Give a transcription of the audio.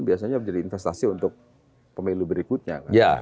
biasanya menjadi investasi untuk pemilu berikutnya